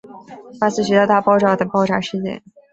巴斯学校大爆炸的爆炸事件。